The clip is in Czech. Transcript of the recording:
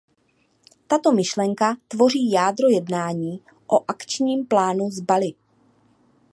Tato myšlenka tvoří jádro jednání o akčním plánu z Bali.